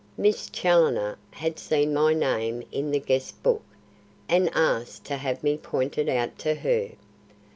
Miss Challoner had seen my name in the guest book and asked to have me pointed out to her.